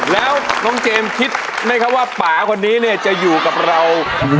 แล้วน้องเจมส์คิดไหมครับว่าป่าคนนี้เนี่ยจะอยู่กับเรา